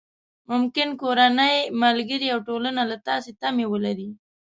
ممکن کورنۍ، ملګري او ټولنه له تاسې تمې ولري.